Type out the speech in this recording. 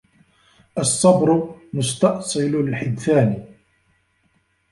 الصَّبْرُ مُسْتَأْصِلُ الْحِدْثَانِ